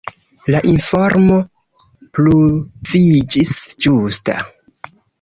La informo pruviĝis ĝusta.